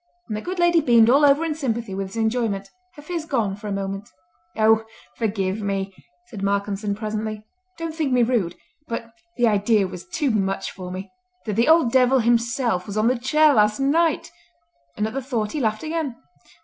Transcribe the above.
and the good lady beamed all over in sympathy with his enjoyment, her fears gone for a moment. "Oh, forgive me!" said Malcolmson presently. "Don't think me rude; but the idea was too much for me—that the old devil himself was on the chair last night!" And at the thought he laughed again.